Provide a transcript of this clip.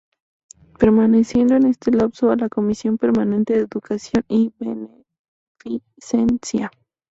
Perteneciendo en este lapso a la Comisión permanente de Educación y Beneficencia.